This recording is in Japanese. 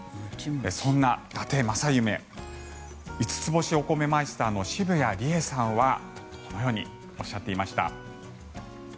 そんな、だて正夢五ツ星お米マイスターの澁谷梨絵さんはこのようにおっしゃっていました。